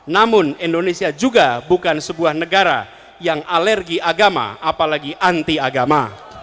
namun indonesia juga bukan sebuah negara yang alergi agama apalagi anti agama